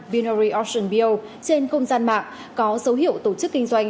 binary auction bill trên công gian mạng có dấu hiệu tổ chức kinh doanh